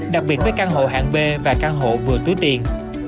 đặc biệt với căn hộ hạng b và căn hộ vừa túi tiền